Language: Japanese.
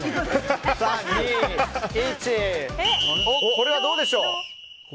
これはどうでしょう？